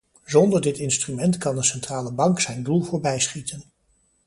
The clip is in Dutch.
Zonder dit instrument kan een centrale bank zijn doel voorbij schieten.